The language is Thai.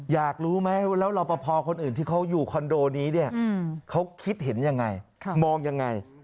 อยากรู้ไหมว่าแล้วรอปภคนอื่นที่เขาอยู่คอนโดนี้เนี่ยเขาคิดเห็นยังไงมองยังไง